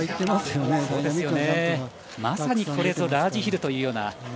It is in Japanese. まさにこれぞラージヒルというような。